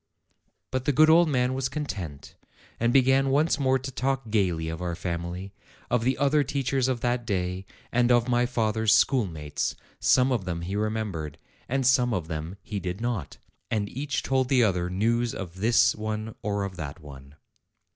But the good old man was content, and began once more to talk gayly of our family, of the other teachers of that day, and of my father's schoolmates; some of them he remembered, and some of them he did not. And each told the other news of this one or of that one.